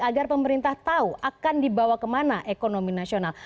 agar pemerintah tahu akan dibawa kemana ekonomi nasional